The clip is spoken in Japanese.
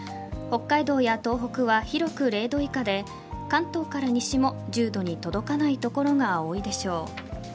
北海道や東北は広く０度以下で、関東から西も１０度に届かないところが多いでしょう。